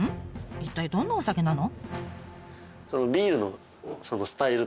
一体どんなお酒なの？